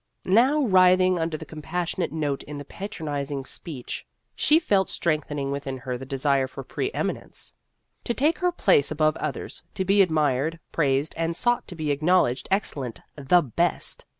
Now, writhing under the compassionate note in the patronizing speech, she felt strength ening within her the desire for pre emi nence. To take her place above others, to be admired, praised, and sought, to be acknowledged excellent the best